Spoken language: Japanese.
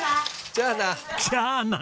じゃあな！